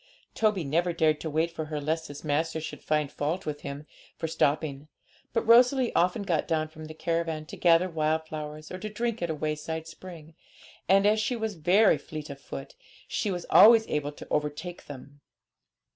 Toby never dared to wait for her, lest his master should find fault with him for stopping; but Rosalie often got down from the caravan, to gather wild flowers, or to drink at a wayside spring, and, as she was very fleet of foot, she was always able to overtake them.